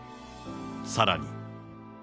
さらに。